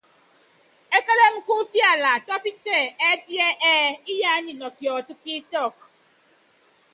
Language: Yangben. Ékélém kú ifiala tɔ́pítɛ ɛ́pí ɛ́ɛ : Iyá nyɛ nɔ kiɔtɔ́ kí itɔ́k.